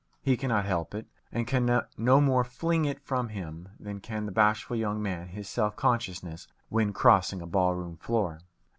He cannot help it, and can no more fling it from him than can the bashful young man his self consciousness when crossing a ballroom floor.